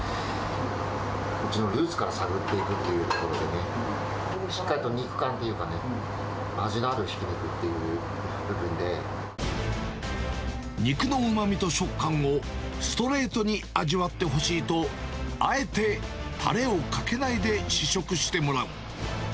うちのルーツから探っていくというところでね、しっかりと肉感というかね、肉のうまみと食感を、ストレートに味わってほしいと、あえてたれをかけないで試食してもらう。